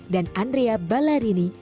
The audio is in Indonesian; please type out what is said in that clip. dan andrea ballarini